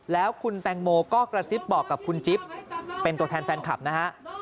แล้วคุณแตงโมก็กระซิบบอกกับคุณจิ๊บเป็นตัวแทนแฟนคลับนะฮะ